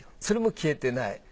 それも消えてない。